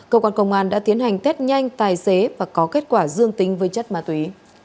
cơ quan công an đã tiến hành test nhanh tài xế và có kết quả dương tính với chất ma túy